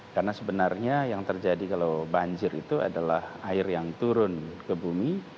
karena sebenarnya yang terjadi kalau banjir itu adalah air yang turun ke bumi